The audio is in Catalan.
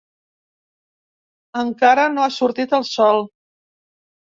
Encara no ha sortit el sol.